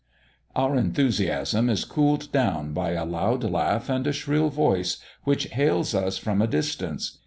Our enthusiasm is cooled down by a loud laugh and a shrill voice, which hails us from a distance.